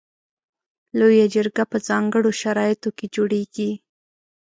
لویه جرګه په ځانګړو شرایطو کې جوړیږي.